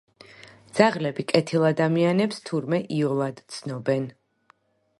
ძაღლები კეთილ ადამიანებს, თურმე, იოლად ცნობენ.